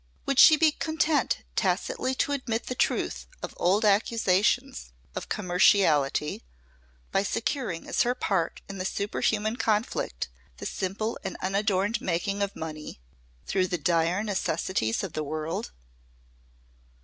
Would she be content tacitly to admit the truth of old accusations of commerciality by securing as her part in the superhuman conflict the simple and unadorned making of money through the dire necessities of the world?